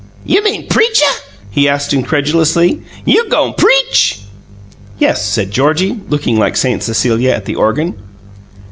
"You mean preachuh?" he asked incredulously. "You go' PREACH?" "Yes," answered Georgie, looking like Saint Cecilia at the organ.